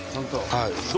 はい。